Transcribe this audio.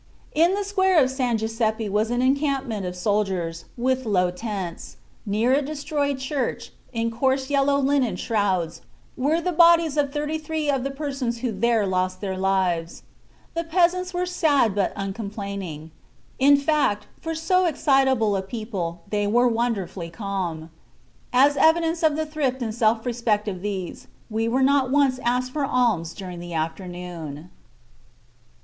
"In the square of San Giuseppe was an encampment of soldiers, with low tents. Near a destroyed church, in coarse yellow linen shrouds, were the bodies of thirty three of the persons who there lost their lives. The peasants were sad, but uncomplaining; in fact, for so excitable a people they were wonderfully calm. As evidence of the thrift and self respect of these, we were not once asked for alms during the afternoon."